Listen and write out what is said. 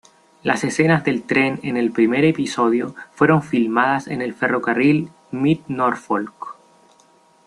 Las escenas del tren en el primer episodio fueron filmadas en el ferrocarril Mid-Norfolk.